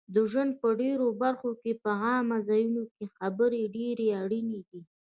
د ژوند په ډېرو برخو کې په عامه ځایونو کې خبرې ډېرې اړینې دي